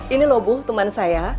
ini loh bu teman saya